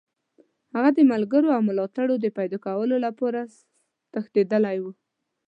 هغه د ملګرو او ملاتړو د پیداکولو لپاره تښتېدلی وو.